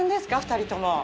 ２人とも。